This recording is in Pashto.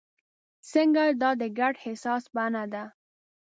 ځکه دا د ګډ احساس بڼه ده.